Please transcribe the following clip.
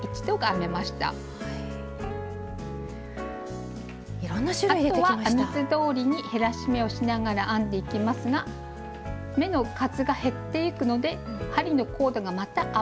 あとは編み図どおりに減らし目をしながら編んでいきますが目の数が減っていくので針のコードがまた余ってきます。